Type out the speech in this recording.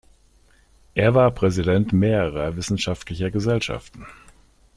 Er war Präsident mehrerer wissenschaftlicher Gesellschaften.